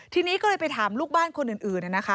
ทีนี้ก็เลยไปถามลูกบ้านคนอื่นนะคะ